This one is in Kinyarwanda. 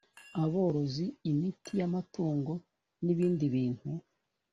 aborozi imiti y amatungo n ibindi bintu